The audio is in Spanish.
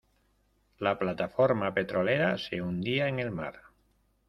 La plataforma petrolera se hundía en el mar.